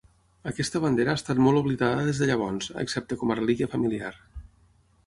Aquesta bandera ha estat molt oblidada des de llavors, excepte com a relíquia familiar.